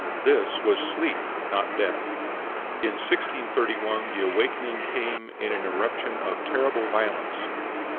This was sleep, not death. In 1631 the awakening came in an eruption of terrible violence.